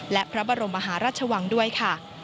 และพระบรมมหาราชวังด้วยค่ะ